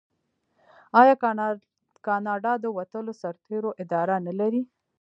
آیا کاناډا د وتلو سرتیرو اداره نلري؟